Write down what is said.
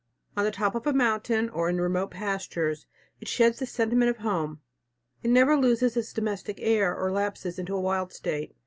On the top of a mountain, or in remote pastures, it sheds the sentiment of home. It never loses its domestic air, or lapses into a wild state.